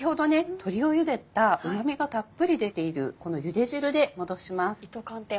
鶏をゆでたうまみがたっぷり出ているこのゆで汁で戻します。